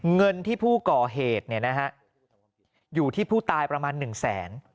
เงินที่ผู้ก่อเหตุอยู่ที่ผู้ตายประมาณ๑แสน